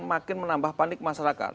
makin menambah panik masyarakat